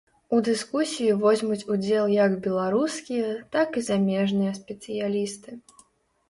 У дыскусіі возьмуць удзел як беларускія, так і замежныя спецыялісты.